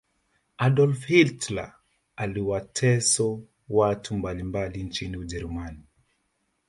adolf hitler aliwateso watu mbalimbali nchini ujerumani